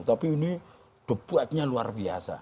tapi ini debutnya luar biasa